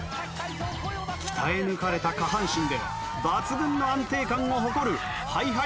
鍛え抜かれた下半身で抜群の安定感を誇る ＨｉＨｉＪｅｔｓ